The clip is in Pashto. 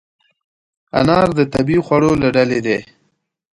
انار د طبیعي خوړو له ډلې دی.